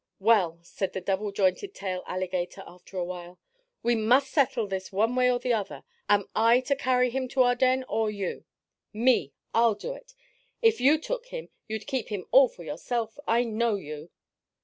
"Well," said the double jointed tail alligator after a while, "we must settle this one way or the other. Am I to carry him to our den, or you?" "Me! I'll do it. If you took him you'd keep him all for yourself. I know you!"